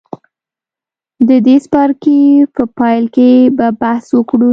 د دې څپرکي په پیل کې به بحث وکړو.